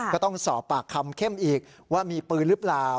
ก็ต้องสอบปากคำเข้มอีกว่ามีปืนหรือเปล่า